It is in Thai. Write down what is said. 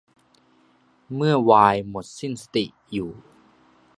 เมื่อไวน์หมดสติอยู่